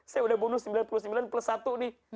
saya udah bunuh sembilan puluh sembilan plus satu nih